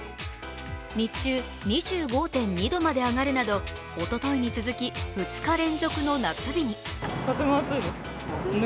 日中、２５．２度まで上がるなどおとといに続き２日連続の夏日に。